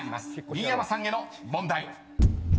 新山さんへの問題］